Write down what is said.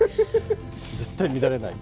絶対乱れない。